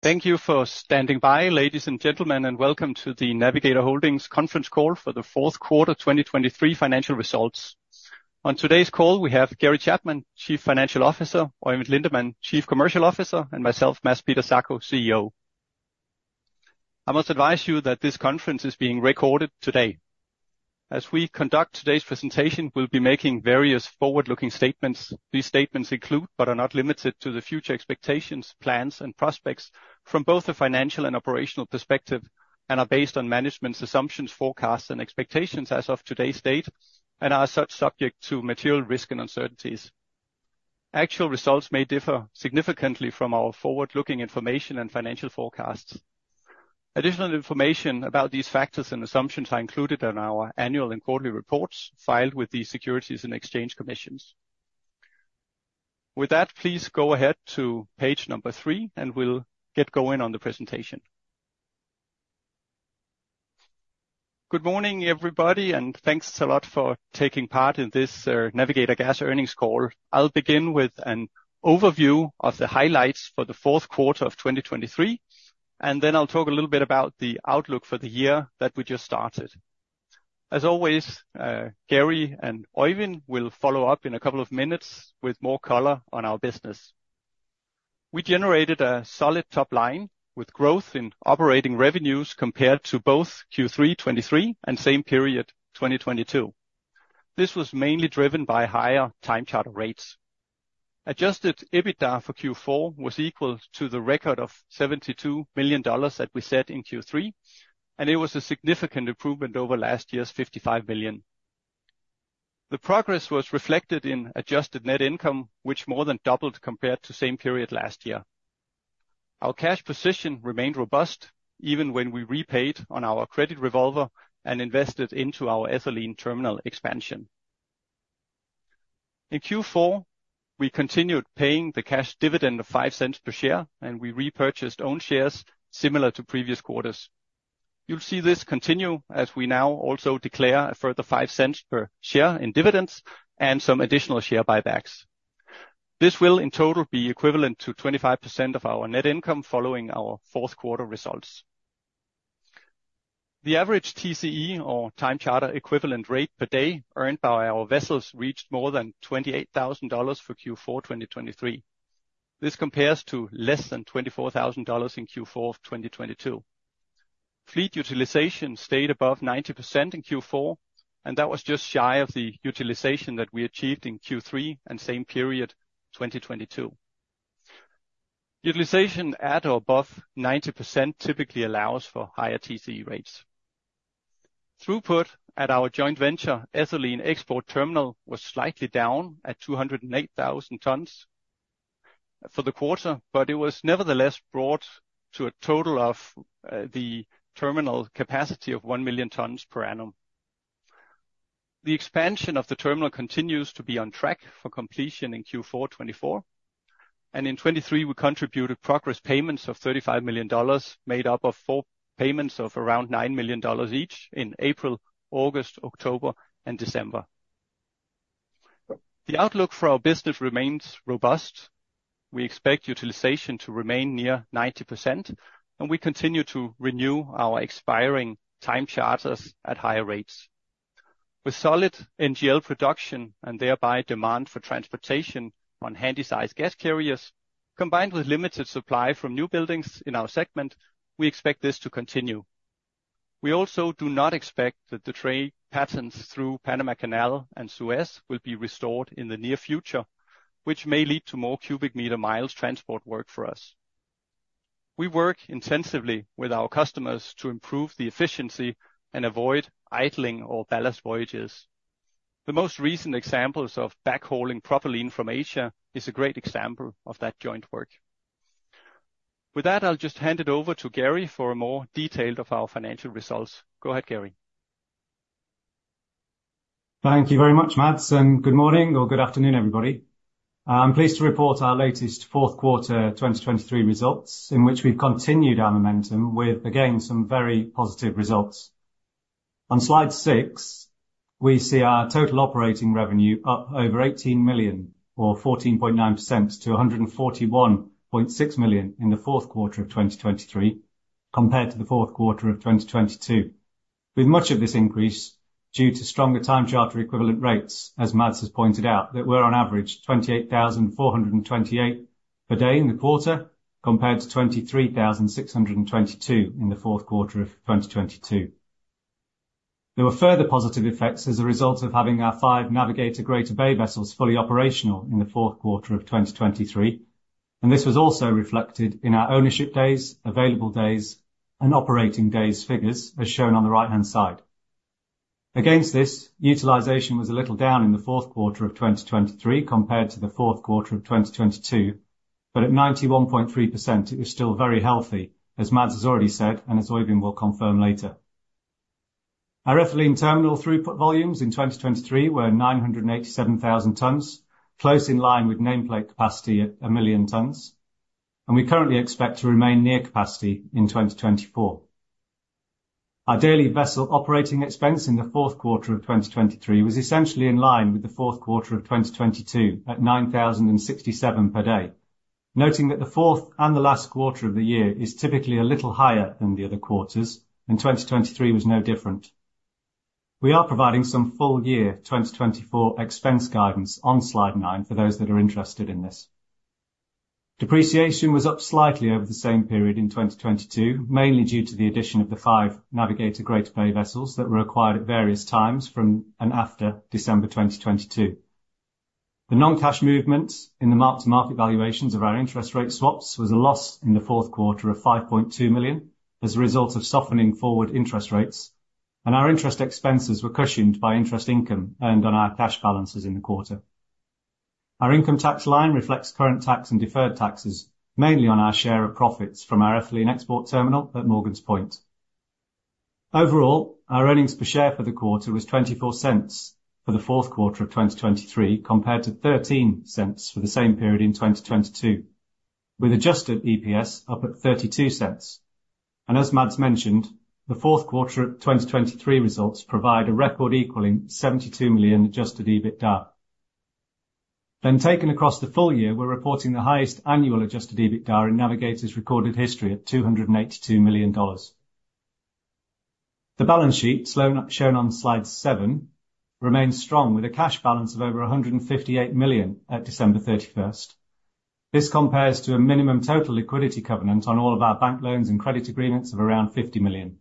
Thank you for standing by, ladies and gentlemen, and welcome to the Navigator Holdings Conference Call for the Fourth Quarter 2023 Financial Results. On today's call we have Gary Chapman, Chief Financial Officer, Oeyvind Lindeman, Chief Commercial Officer, and myself, Mads Peter Zacho, CEO. I must advise you that this conference is being recorded today. As we conduct today's presentation, we'll be making various forward-looking statements. These statements include, but are not limited to, the future expectations, plans, and prospects from both a financial and operational perspective, and are based on management's assumptions, forecasts, and expectations as of today's date, and are as such subject to material risk and uncertainties. Actual results may differ significantly from our forward-looking information and financial forecasts. Additional information about these factors and assumptions is included in our annual and quarterly reports filed with the Securities and Exchange Commission. With that, please go ahead to page number three, and we'll get going on the presentation. Good morning, everybody, and thanks a lot for taking part in this Navigator Gas Earnings Call. I'll begin with an overview of the highlights for the fourth quarter of 2023, and then I'll talk a little bit about the outlook for the year that we just started. As always, Gary and Oeyvind will follow up in a couple of minutes with more color on our business. We generated a solid top line with growth in operating revenues compared to both Q3 2023 and same period 2022. This was mainly driven by higher time-charter rates. Adjusted EBITDA for Q4 was equal to the record of $72 million that we set in Q3, and it was a significant improvement over last year's $55 million. The progress was reflected in adjusted net income, which more than doubled compared to same period last year. Our cash position remained robust even when we repaid on our credit revolver and invested into our ethylene terminal expansion. In Q4, we continued paying the cash dividend of $0.05 per share, and we repurchased own shares similar to previous quarters. You'll see this continue as we now also declare a further $0.05 per share in dividends and some additional share buybacks. This will, in total, be equivalent to 25% of our net income following our fourth quarter results. The average TCE, or time-charter equivalent rate per day earned by our vessels reached more than $28,000 for Q4 2023. This compares to less than $24,000 in Q4 of 2022. Fleet utilization stayed above 90% in Q4, and that was just shy of the utilization that we achieved in Q3 and same period 2022. Utilization at or above 90% typically allows for higher TCE rates. Throughput at our joint venture, Ethylene Export Terminal, was slightly down at 208,000 tons for the quarter, but it was nevertheless brought to a total of the terminal capacity of 1 million tons per annum. The expansion of the terminal continues to be on track for completion in Q4 2024, and in 2023 we contributed progress payments of $35 million made up of four payments of around $9 million each in April, August, October, and December. The outlook for our business remains robust. We expect utilization to remain near 90%, and we continue to renew our expiring time-charters at higher rates. With solid NGL production and thereby demand for transportation on handysize gas carriers, combined with limited supply from new buildings in our segment, we expect this to continue. We also do not expect that the trade patterns through Panama Canal and Suez will be restored in the near future, which may lead to more cubic-meter miles transport work for us. We work intensively with our customers to improve the efficiency and avoid idling or ballast voyages. The most recent examples of backhauling propylene from Asia are a great example of that joint work. With that, I'll just hand it over to Gary for a more detailed overview of our financial results. Go ahead, Gary. Thank you very much, Mads, and good morning or good afternoon, everybody. I'm pleased to report our latest fourth quarter 2023 results, in which we've continued our momentum with, again, some very positive results. On slide six, we see our total operating revenue up over $18 million, or 14.9% to $141.6 million in the fourth quarter of 2023, compared to the fourth quarter of 2022. With much of this increase due to stronger time-charter equivalent rates, as Mads has pointed out, that we're on average $28,428 per day in the quarter, compared to $23,622 in the fourth quarter of 2022. There were further positive effects as a result of having our five Navigator Greater Bay vessels fully operational in the fourth quarter of 2023, and this was also reflected in our ownership days, available days, and operating days figures, as shown on the right-hand side. Against this, utilization was a little down in the fourth quarter of 2023 compared to the fourth quarter of 2022, but at 91.3% it was still very healthy, as Mads has already said and as Oeyvind will confirm later. Our ethylene terminal throughput volumes in 2023 were 987,000 tons, close in line with nameplate capacity at 1 million tons, and we currently expect to remain near capacity in 2024. Our daily vessel operating expense in the fourth quarter of 2023 was essentially in line with the fourth quarter of 2022 at $9,067 per day, noting that the fourth and the last quarter of the year is typically a little higher than the other quarters, and 2023 was no different. We are providing some full-year 2024 expense guidance on slide nine for those that are interested in this. Depreciation was up slightly over the same period in 2022, mainly due to the addition of the five Navigator Greater Bay vessels that were acquired at various times from and after December 2022. The non-cash movements in the mark-to-market valuations of our interest rate swaps were a loss of $5.2 million in the fourth quarter as a result of softening forward interest rates, and our interest expenses were cushioned by interest income earned on our cash balances in the quarter. Our income tax line reflects current tax and deferred taxes, mainly on our share of profits from our ethylene export terminal at Morgan's Point. Overall, our earnings per share for the quarter was $0.24 for the fourth quarter of 2023, compared to $0.13 for the same period in 2022, with Adjusted EPS up at $0.32. As Mads mentioned, the fourth quarter 2023 results provide a record-equaling $72 million adjusted EBITDA. Taken across the full year, we're reporting the highest annual adjusted EBITDA in Navigator's recorded history at $282 million. The balance sheet, shown on slide seven, remains strong with a cash balance of over $158 million at December 31st. This compares to a minimum total liquidity covenant on all of our bank loans and credit agreements of around $50 million.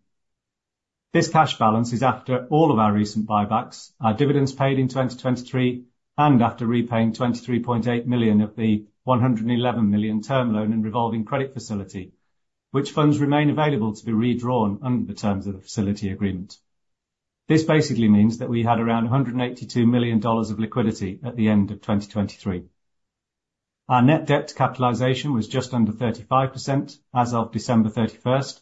This cash balance is after all of our recent buybacks, our dividends paid in 2023, and after repaying $23.8 million of the $111 million term loan and revolving credit facility, which funds remain available to be redrawn under the terms of the facility agreement. This basically means that we had around $182 million of liquidity at the end of 2023. Our net debt capitalization was just under 35% as of December 31st,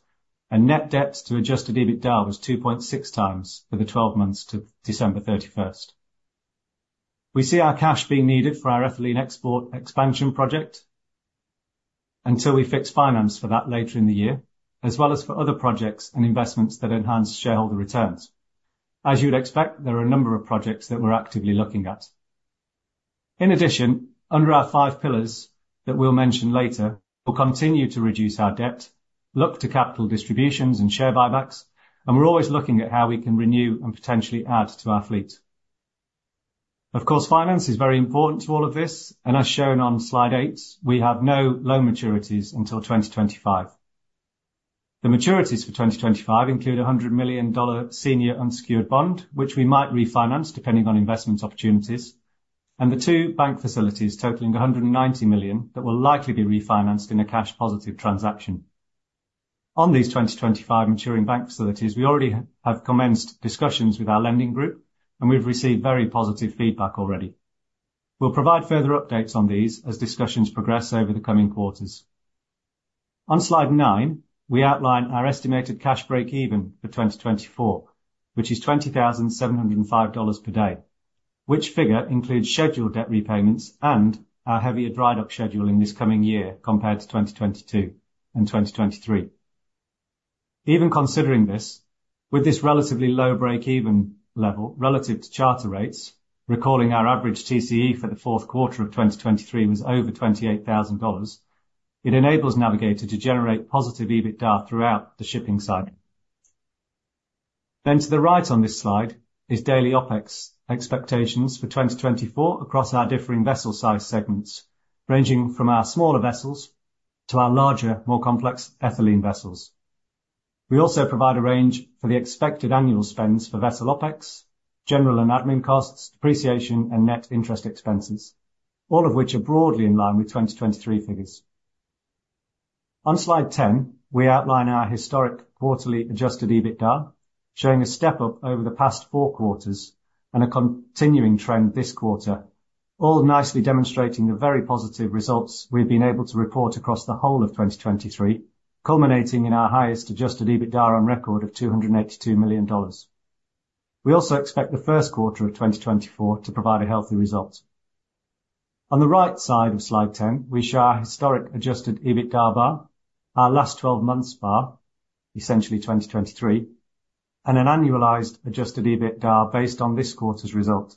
and net debt to adjusted EBITDA was 2.6x for the 12 months to December 31st. We see our cash being needed for our ethylene export expansion project until we fix finance for that later in the year, as well as for other projects and investments that enhance shareholder returns. As you'd expect, there are a number of projects that we're actively looking at. In addition, under our five pillars that we'll mention later, we'll continue to reduce our debt, look to capital distributions and share buybacks, and we're always looking at how we can renew and potentially add to our fleet. Of course, finance is very important to all of this, and as shown on slide eight, we have no loan maturities until 2025. The maturities for 2025 include a $100 million senior unsecured bond, which we might refinance depending on investment opportunities, and the two bank facilities totaling $190 million that will likely be refinanced in a cash-positive transaction. On these 2025 maturing bank facilities, we already have commenced discussions with our lending group, and we've received very positive feedback already. We'll provide further updates on these as discussions progress over the coming quarters. On slide nine, we outline our estimated cash break-even for 2024, which is $20,705 per day, which figure includes scheduled debt repayments and our heavier dry-dock schedule in this coming year compared to 2022 and 2023. Even considering this, with this relatively low break-even level relative to charter rates, recalling our average TCE for the fourth quarter of 2023 was over $28,000, it enables Navigator to generate positive EBITDA throughout the shipping cycle. Then, to the right on this slide is daily OpEx expectations for 2024 across our differing vessel-size segments, ranging from our smaller vessels to our larger, more complex ethylene vessels. We also provide a range for the expected annual spends for vessel OpEx, general and admin costs, depreciation, and net interest expenses, all of which are broadly in line with 2023 figures. On slide 10, we outline our historic quarterly adjusted EBITDA, showing a step up over the past 4 quarters and a continuing trend this quarter, all nicely demonstrating the very positive results we've been able to report across the whole of 2023, culminating in our highest adjusted EBITDA on record of $282 million. We also expect the first quarter of 2024 to provide a healthy result. On the right side of slide 10, we show our historic adjusted EBITDA bar, our last 12 months bar, essentially 2023, and an annualized adjusted EBITDA based on this quarter's result.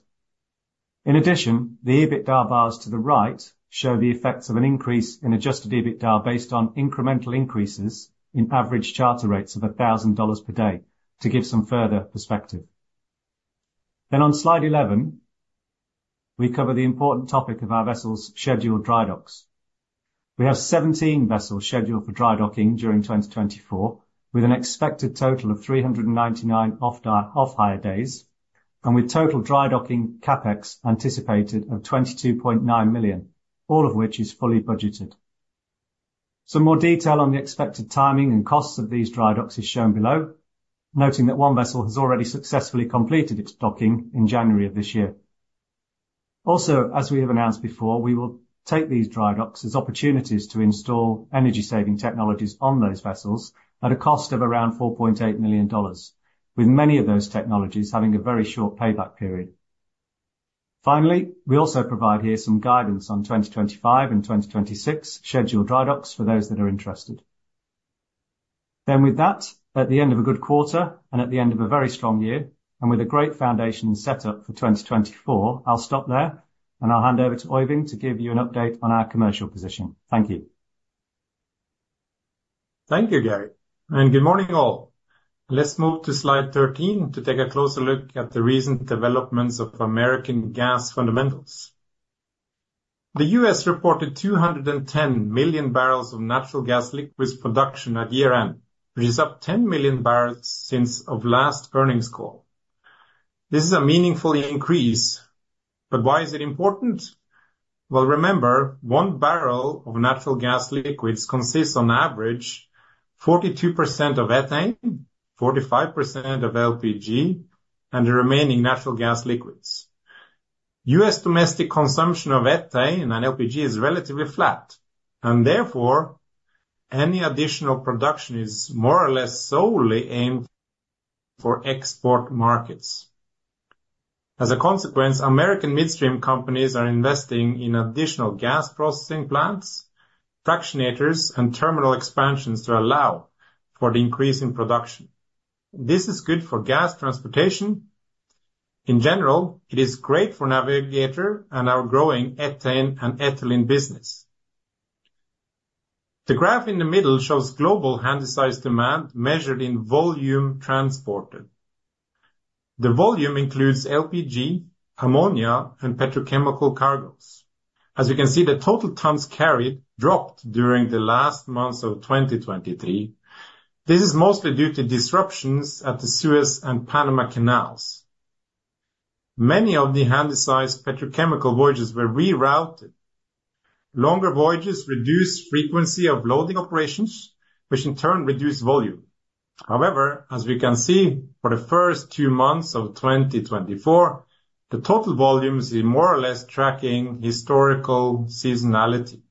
In addition, the EBITDA bars to the right show the effects of an increase in adjusted EBITDA based on incremental increases in average charter rates of $1,000 per day to give some further perspective. Then, on slide 11, we cover the important topic of our vessels' scheduled dry docks. We have 17 vessels scheduled for dry docking during 2024, with an expected total of 399 off-hire days, and with total dry docking CapEx anticipated of $22.9 million, all of which is fully budgeted. Some more detail on the expected timing and costs of these dry docks is shown below, noting that one vessel has already successfully completed its docking in January of this year. Also, as we have announced before, we will take these dry docks as opportunities to install energy-saving technologies on those vessels at a cost of around $4.8 million, with many of those technologies having a very short payback period. Finally, we also provide here some guidance on 2025 and 2026 scheduled dry docks for those that are interested. Then, with that, at the end of a good quarter and at the end of a very strong year and with a great foundation set up for 2024, I'll stop there, and I'll hand over to Oeyvind to give you an update on our commercial position. Thank you. Thank you, Gary. Good morning, all. Let's move to slide 13 to take a closer look at the recent developments of American gas fundamentals. The U.S. reported 210 million barrels of natural gas liquids production at year-end, which is up 10 million barrels since our last earnings call. This is a meaningful increase, but why is it important? Well remember, one barrel of natural gas liquids consists on average of 42% of ethane, 45% of LPG, and the remaining natural gas liquids. U.S. domestic consumption of ethane and LPG is relatively flat, and therefore, any additional production is more or less solely aimed for export markets. As a consequence, American midstream companies are investing in additional gas processing plants, fractionators, and terminal expansions to allow for the increase in production. This is good for gas transportation. In general, it is great for Navigator and our growing ethane and ethylene business. The graph in the middle shows global handysize demand measured in volume transported. The volume includes LPG, ammonia, and petrochemical cargoes. As you can see, the total tons carried dropped during the last months of 2023. This is mostly due to disruptions at the Suez and Panama Canals. Many of the handysize petrochemical voyages were rerouted. Longer voyages reduce frequency of loading operations, which in turn reduce volume. However, as we can see for the first two months of 2024, the total volume is more or less tracking historical seasonality.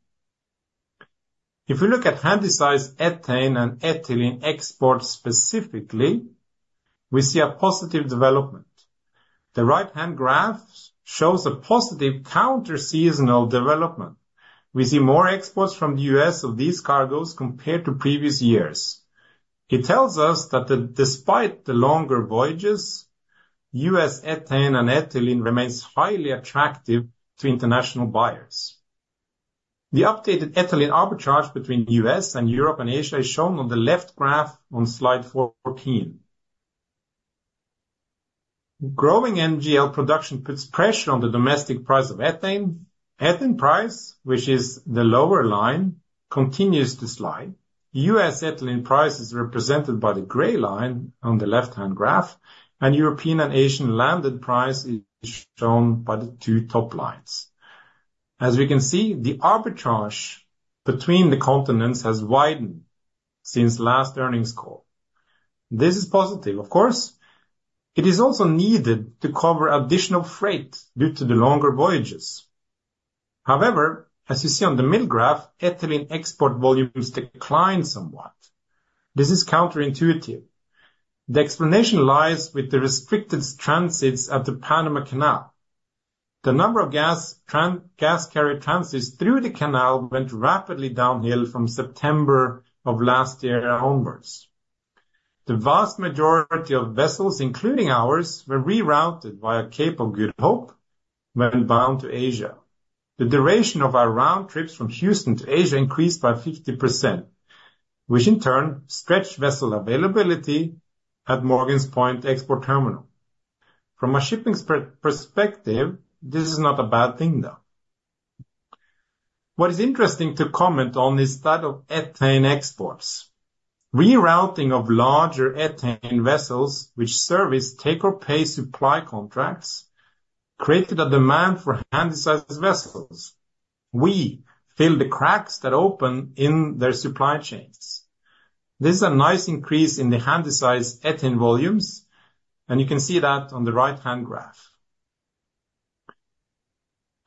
If we look at handysize ethane and ethylene exports specifically, we see a positive development. The right-hand graph shows a positive counter-seasonal development. We see more exports from the U.S. of these cargoes compared to previous years. It tells us that despite the longer voyages, U.S. ethane and ethylene remain highly attractive to international buyers. The updated ethylene arbitrage between the U.S. and Europe and Asia is shown on the left graph on slide 14. Growing NGL production puts pressure on the domestic price of ethane. Ethane price, which is the lower line, continues to slide. U.S. ethylene price is represented by the grey line on the left-hand graph, and European and Asian landed price is shown by the two top lines. As we can see, the arbitrage between the continents has widened since last earnings call. This is positive, of course. It is also needed to cover additional freight due to the longer voyages. However, as you see on the middle graph, ethylene export volumes decline somewhat. This is counterintuitive. The explanation lies with the restricted transits at the Panama Canal. The number of gas carrier transits through the canal went rapidly downhill from September of last year onwards. The vast majority of vessels, including ours, were rerouted via Cape of Good Hope when bound to Asia. The duration of our round trips from Houston to Asia increased by 50%, which in turn stretched vessel availability at Morgan's Point export terminal. From a shipping perspective, this is not a bad thing, though. What is interesting to comment on is that of ethane exports. Rerouting of larger ethane vessels, which service take-or-pay supply contracts, created a demand for handy-sized vessels. We fill the cracks that open in their supply chains. This is a nice increase in the handy-sized ethane volumes, and you can see that on the right-hand graph.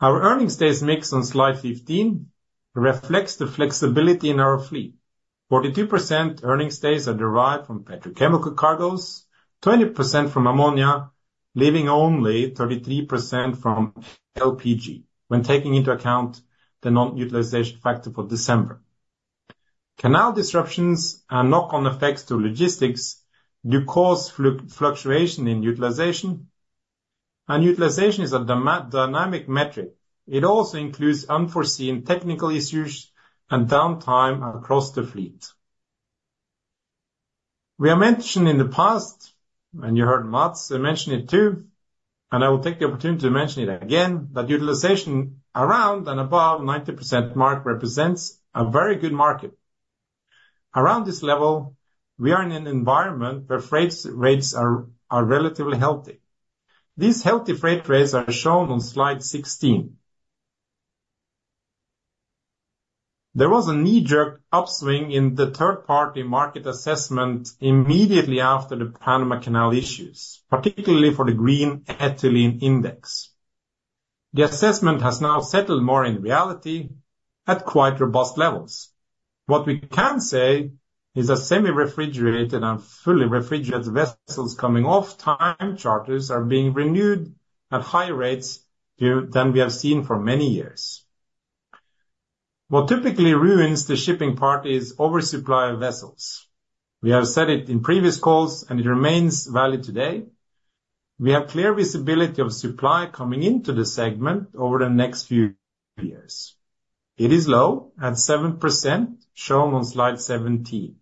Our earnings days mix on slide 15 reflects the flexibility in our fleet. 42% earnings days are derived from petrochemical cargoes, 20% from ammonia, leaving only 33% from LPG when taking into account the non-utilization factor for December. Canal disruptions are knock-on effects to logistics due to cause fluctuation in utilization. Utilization is a dynamic metric. It also includes unforeseen technical issues and downtime across the fleet. We have mentioned in the past, and you heard Mads mention it too, and I will take the opportunity to mention it again, that utilization around and above 90% mark represents a very good market. Around this level, we are in an environment where freight rates are relatively healthy. These healthy freight rates are shown on slide 16. There was a knee-jerk upswing in the third-party market assessment immediately after the Panama Canal issues, particularly for the Green Ethylene Index. The assessment has now settled more in reality at quite robust levels. What we can say is that semi-refrigerated and fully refrigerated vessels coming off time charters are being renewed at higher rates than we have seen for many years. What typically ruins the shipping part is oversupply of vessels. We have said it in previous calls, and it remains valid today. We have clear visibility of supply coming into the segment over the next few years. It is low at 7%, shown on slide 17.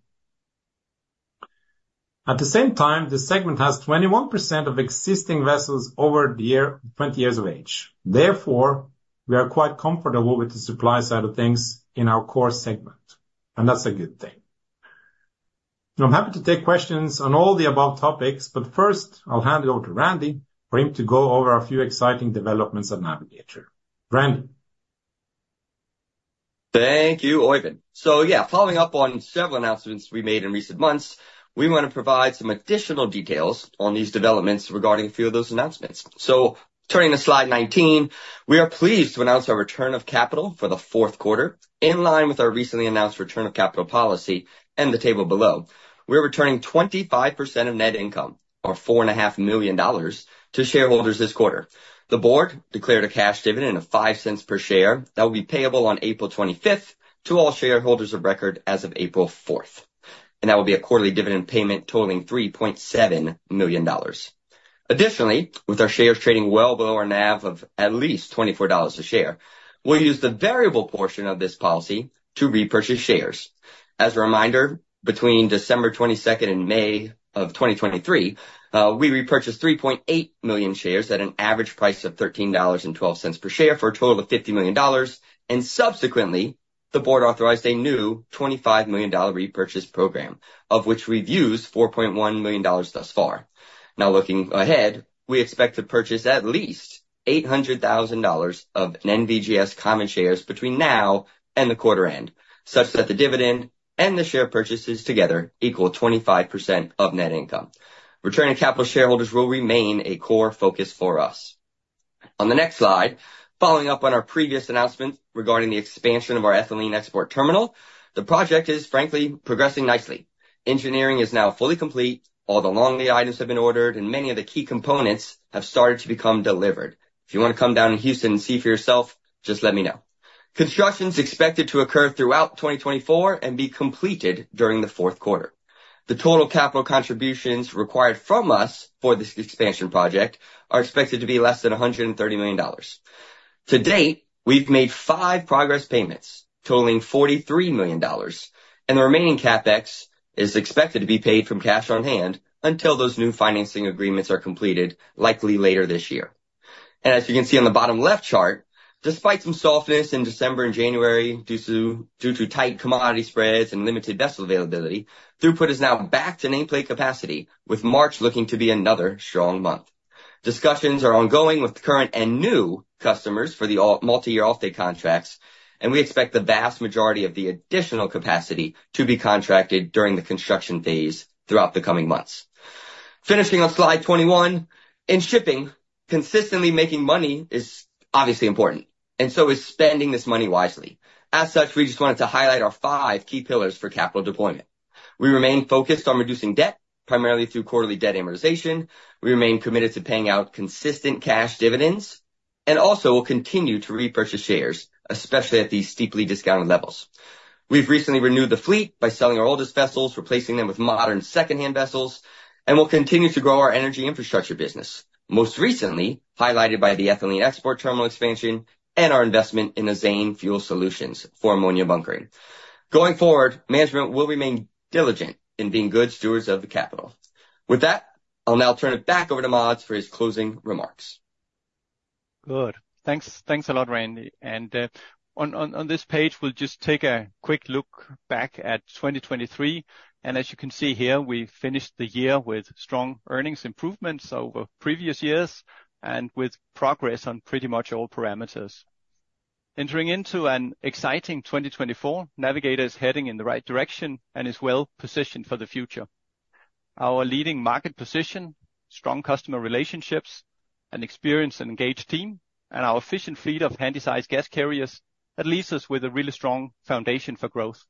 At the same time, the segment has 21% of existing vessels over 20 years of age. Therefore, we are quite comfortable with the supply side of things in our core segment, and that's a good thing. I'm happy to take questions on all the above topics, but first, I'll hand it over to Randy for him to go over a few exciting developments at Navigator. Randy. Thank you, Oeyvind. So yeah, following up on several announcements we made in recent months, we want to provide some additional details on these developments regarding a few of those announcements. So turning to slide 19, we are pleased to announce our return of capital for the fourth quarter, in line with our recently announced return of capital policy and the table below. We are returning 25% of net income, or $4.5 million, to shareholders this quarter. The board declared a cash dividend of $0.05 per share that will be payable on April 25th to all shareholders of record as of April 4th. And that will be a quarterly dividend payment totaling $3.7 million. Additionally, with our shares trading well below our NAV of at least $24 a share, we'll use the variable portion of this policy to repurchase shares. As a reminder, between December 22nd and May of 2023, we repurchased 3.8 million shares at an average price of $13.12 per share for a total of $50 million. Subsequently, the board authorized a new $25 million repurchase program, of which we've used $4.1 million thus far. Now, looking ahead, we expect to purchase at least $800,000 of NVGS common shares between now and the quarter end, such that the dividend and the share purchases together equal 25% of net income. Returning capital to shareholders will remain a core focus for us. On the next slide, following up on our previous announcements regarding the expansion of our ethylene export terminal, the project is, frankly, progressing nicely. Engineering is now fully complete. All the long lead items have been ordered, and many of the key components have started to become delivered. If you want to come down to Houston and see for yourself, just let me know. Construction is expected to occur throughout 2024 and be completed during the fourth quarter. The total capital contributions required from us for this expansion project are expected to be less than $130 million. To date, we've made five progress payments totaling $43 million, and the remaining CapEx is expected to be paid from cash on hand until those new financing agreements are completed, likely later this year. As you can see on the bottom left chart, despite some softness in December and January due to tight commodity spreads and limited vessel availability, throughput is now back to nameplate capacity, with March looking to be another strong month. Discussions are ongoing with current and new customers for the multi-year off-date contracts, and we expect the vast majority of the additional capacity to be contracted during the construction phase throughout the coming months. Finishing on slide 21, in shipping, consistently making money is obviously important, and so is spending this money wisely. As such, we just wanted to highlight our five key pillars for capital deployment. We remain focused on reducing debt, primarily through quarterly debt amortization. We remain committed to paying out consistent cash dividends, and also will continue to repurchase shares, especially at these steeply discounted levels. We've recently renewed the fleet by selling our oldest vessels, replacing them with modern secondhand vessels, and we'll continue to grow our energy infrastructure business, most recently highlighted by the ethylene export terminal expansion and our investment in Azane Fuel Solutions for ammonia bunkering. Going forward, management will remain diligent in being good stewards of the capital. With that, I'll now turn it back over to Mads for his closing remarks. Good. Thanks a lot, Randy. And on this page, we'll just take a quick look back at 2023. And as you can see here, we finished the year with strong earnings improvements over previous years and with progress on pretty much all parameters. Entering into an exciting 2024, Navigator is heading in the right direction and is well positioned for the future. Our leading market position, strong customer relationships, an experienced and engaged team, and our efficient fleet of handy-sized gas carriers leave us with a really strong foundation for growth.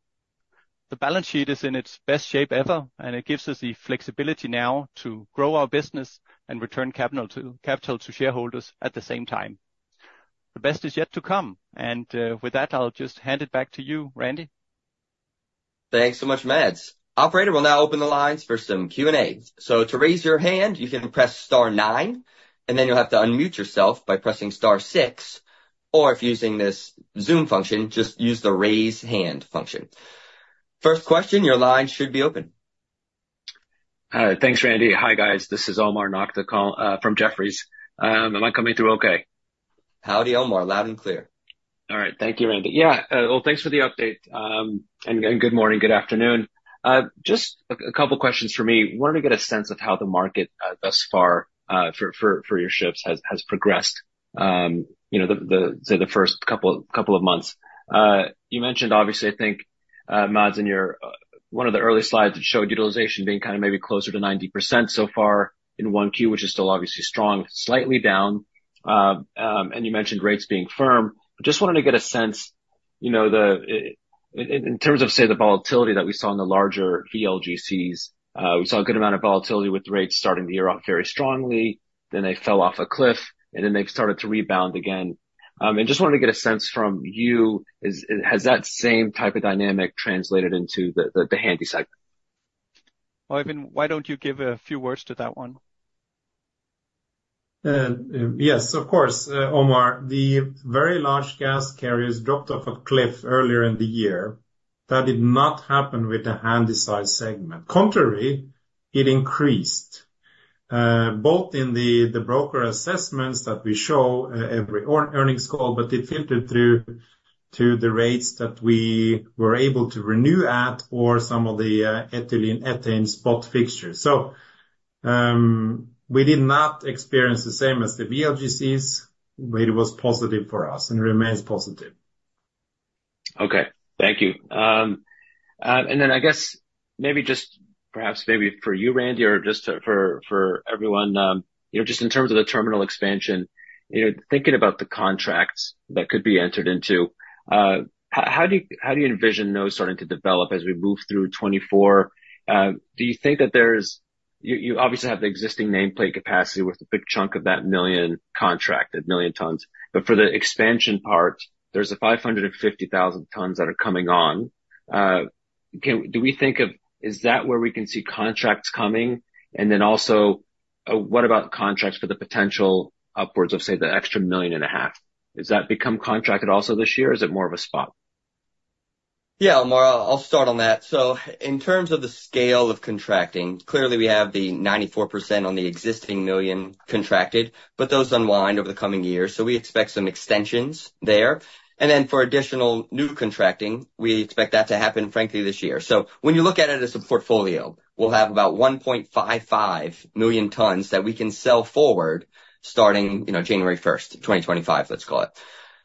The balance sheet is in its best shape ever, and it gives us the flexibility now to grow our business and return capital to shareholders at the same time. The best is yet to come. And with that, I'll just hand it back to you, Randy. Thanks so much, Mads. Operator will now open the lines for some Q&A. So to raise your hand, you can press star 9, and then you'll have to unmute yourself by pressing star 6, or if using this Zoom function, just use the raise hand function. First question, your line should be open. All right. Thanks, Randy. Hi, guys. This is Omar Nokta from Jefferies. Am I coming through okay? Howdy, Omar. Loud and clear. All right. Thank you, Randy. Yeah. Well, thanks for the update. Good morning, good afternoon. Just a couple of questions for me. I wanted to get a sense of how the market thus far for your ships has progressed the first couple of months. You mentioned, obviously, I think, Mads, in one of the early slides, it showed utilization being kind of maybe closer to 90% so far in Q1, which is still obviously strong, slightly down. You mentioned rates being firm. I just wanted to get a sense in terms of, say, the volatility that we saw in the larger VLGCs. We saw a good amount of volatility with rates starting the year off very strongly. Then they fell off a cliff, and then they've started to rebound again. Just wanted to get a sense from you, has that same type of dynamic translated into the handy segment? Oeyvind, why don't you give a few words to that one? Yes, of course, Omar. The very large gas carriers dropped off a cliff earlier in the year. That did not happen with the handysize segment. Contrary, it increased, both in the broker assessments that we show every earnings call, but it filtered through to the rates that we were able to renew at or some of the ethylene/ethane spot fixtures. So we did not experience the same as the VLGCs, but it was positive for us and remains positive. Okay. Thank you. And then I guess maybe just perhaps maybe for you, Randy, or just for everyone, just in terms of the terminal expansion, thinking about the contracts that could be entered into, how do you envision those starting to develop as we move through 2024? Do you think that there's you obviously have the existing nameplate capacity with a big chunk of that 1 million contracted, 1 million tons. But for the expansion part, there's the 550,000 tons that are coming on. Do we think of is that where we can see contracts coming? And then also, what about contracts for the potential upwards of, say, the extra 1.5 million? Is that become contracted also this year? Is it more of a spot? Yeah, Omar, I'll start on that. So in terms of the scale of contracting, clearly, we have the 94% on the existing million contracted, but those unwind over the coming years. So we expect some extensions there. And then for additional new contracting, we expect that to happen, frankly, this year. So when you look at it as a portfolio, we'll have about 1.55 million tons that we can sell forward starting January 1st, 2025, let's call it.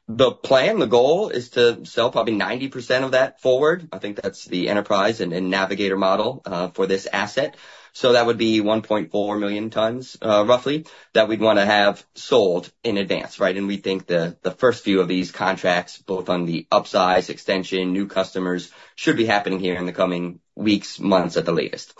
The plan, the goal, is to sell probably 90% of that forward. I think that's the Enterprise and Navigator model for this asset. So that would be 1.4 million tons, roughly, that we'd want to have sold in advance, right? And we think the first few of these contracts, both on the upsize, extension, new customers, should be happening here in the coming weeks, months at the latest.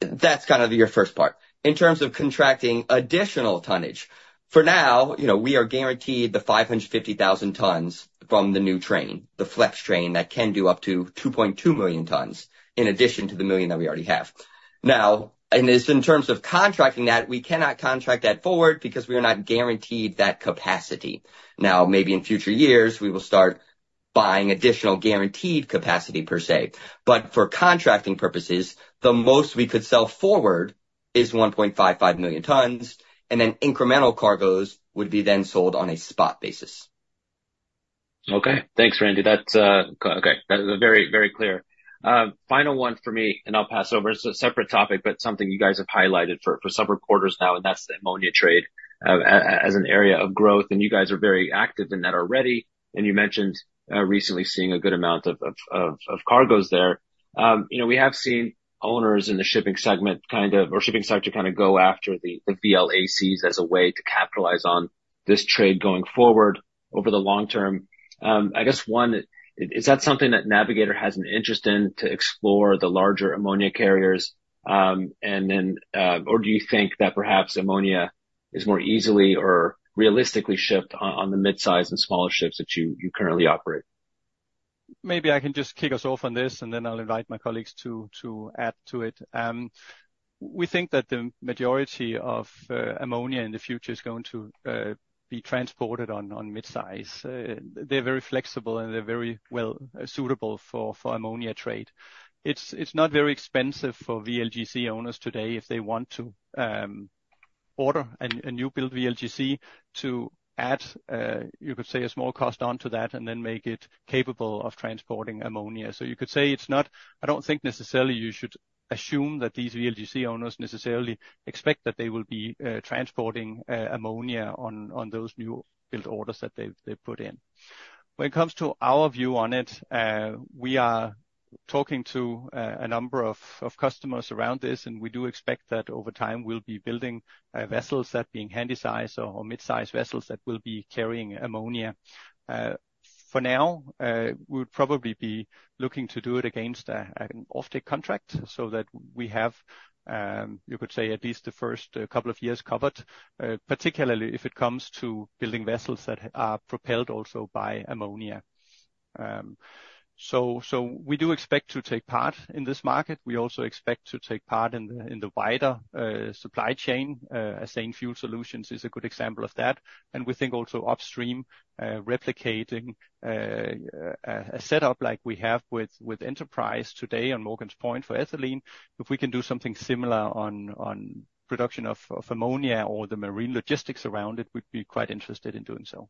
That's kind of your first part. In terms of contracting additional tonnage, for now, we are guaranteed the 550,000 tons from the new train, the flex train that can do up to 2.2 million tons in addition to the 1 million that we already have. Now, in terms of contracting that, we cannot contract that forward because we are not guaranteed that capacity. Now, maybe in future years, we will start buying additional guaranteed capacity, per se. But for contracting purposes, the most we could sell forward is 1.55 million tons, and then incremental cargoes would be then sold on a spot basis. Okay. Thanks, Randy. Okay. That's very, very clear. Final one for me, and I'll pass over. It's a separate topic, but something you guys have highlighted for sub-reporters now, and that's the ammonia trade as an area of growth. And you guys are very active in that already. And you mentioned recently seeing a good amount of cargoes there. We have seen owners in the shipping segment kind of or shipping sector kind of go after the VLACs as a way to capitalize on this trade going forward over the long term. I guess one, is that something that Navigator has an interest in to explore, the larger ammonia carriers? Or do you think that perhaps ammonia is more easily or realistically shipped on the midsize and smaller ships that you currently operate? Maybe I can just kick us off on this, and then I'll invite my colleagues to add to it. We think that the majority of ammonia in the future is going to be transported on midsize. They're very flexible, and they're very well-suitable for ammonia trade. It's not very expensive for VLGC owners today if they want to order a new-built VLGC to add, you could say, a small cost onto that and then make it capable of transporting ammonia. So you could say it's not I don't think necessarily you should assume that these VLGC owners necessarily expect that they will be transporting ammonia on those new-built orders that they put in. When it comes to our view on it, we are talking to a number of customers around this, and we do expect that over time, we'll be building vessels that being handy-sized or midsize vessels that will be carrying ammonia. For now, we would probably be looking to do it against an offtake contract so that we have, you could say, at least the first couple of years covered, particularly if it comes to building vessels that are propelled also by ammonia. So we do expect to take part in this market. We also expect to take part in the wider supply chain. Azane Fuel Solutions is a good example of that. We think also upstream, replicating a setup like we have with Enterprise today on Morgan's Point for ethylene, if we can do something similar on production of ammonia or the marine logistics around it, we'd be quite interested in doing so.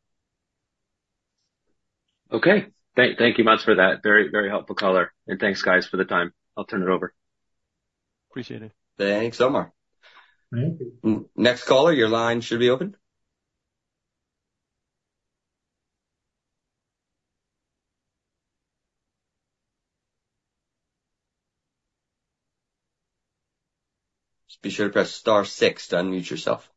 Okay. Thank you, Mads, for that. Very, very helpful caller. Thanks, guys, for the time. I'll turn it over. Appreciate it. Thanks, Omar. Next caller, your line should be open. Just be sure to press star 6 to unmute yourself.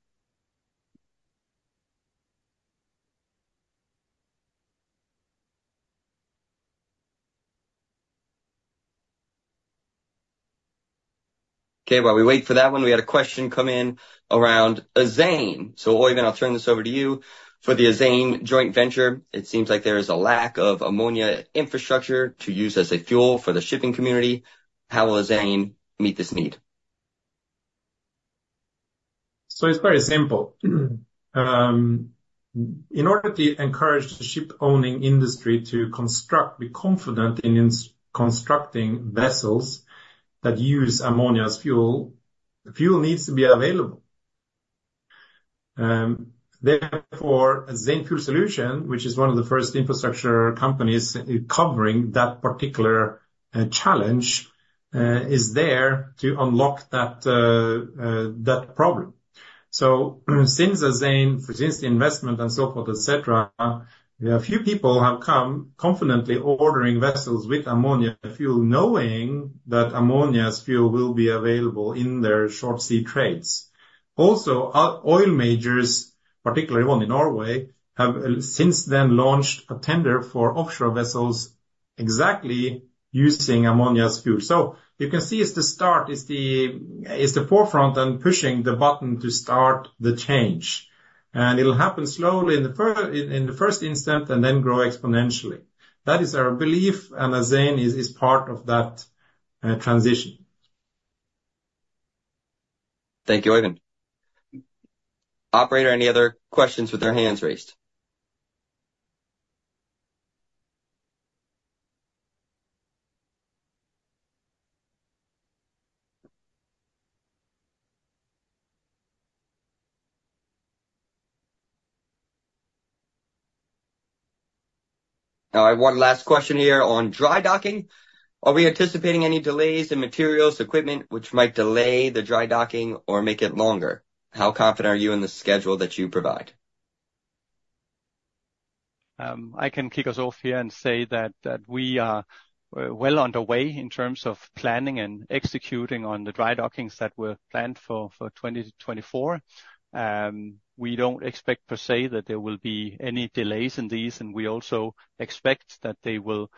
Okay. While we wait for that one, we had a question come in around Azane. So Oeyvind, I'll turn this over to you. For the Azane joint venture, it seems like there is a lack of ammonia infrastructure to use as a fuel for the shipping community. How will Azane meet this need? So it's very simple. In order to encourage the ship-owning industry to construct, be confident in constructing vessels that use ammonia as fuel, fuel needs to be available. Therefore, Azane Fuel Solutions, which is one of the first infrastructure companies covering that particular challenge, is there to unlock that problem. So since Azane, for since the investment and so forth, etc., a few people have come confidently ordering vessels with ammonia fuel, knowing that ammonia as fuel will be available in their short-sea trades. Also, oil majors, particularly one in Norway, have since then launched a tender for offshore vessels exactly using ammonia as fuel. So you can see it's the start, it's the forefront and pushing the button to start the change. And it'll happen slowly in the first instant and then grow exponentially. That is our belief, and Azane is part of that transition. Thank you, Oeyvind. Operator, any other questions with their hands raised? Now, I have one last question here on dry docking. Are we anticipating any delays in materials, equipment, which might delay the dry docking or make it longer? How confident are you in the schedule that you provide? I can kick us off here and say that we are well underway in terms of planning and executing on the dry dockings that were planned for 2024. We don't expect, per se, that there will be any delays in these, and we also expect that they will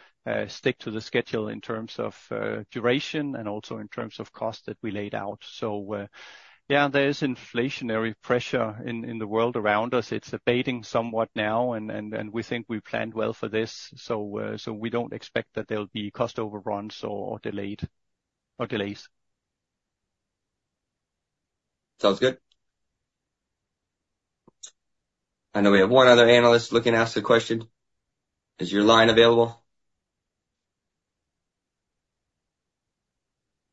stick to the schedule in terms of duration and also in terms of cost that we laid out. So yeah, there is inflationary pressure in the world around us. It's abating somewhat now, and we think we planned well for this. So we don't expect that there'll be cost overruns or delays. Sounds good. I know we have one other analyst looking to ask a question. Is your line available?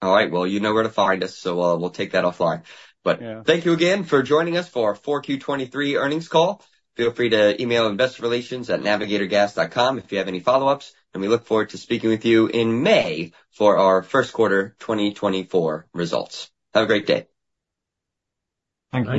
All right. Well, you know where to find us, so we'll take that offline. But thank you again for joining us for our 4Q23 earnings call. Feel free to email investorrelations@navigatorgas.com if you have any follow-ups. And we look forward to speaking with you in May for our first quarter 2024 results. Have a great day. Thank you.